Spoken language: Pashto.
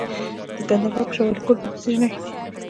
د کندهار په شاه ولیکوټ کې د څه شي نښې دي؟